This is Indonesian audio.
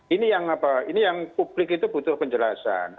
ini yang apa ini yang publik itu butuh penjelasan